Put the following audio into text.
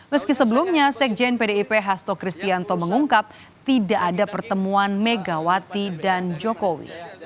meski sebelumnya sekjen pdip hasto kristianto mengungkap tidak ada pertemuan megawati dan jokowi